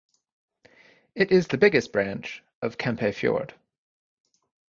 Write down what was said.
It is the biggest branch of Kempe Fjord.